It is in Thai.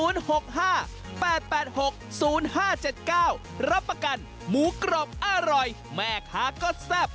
รับประกันหมูกรอบอร่อยแม่ค้าก็แซ่บ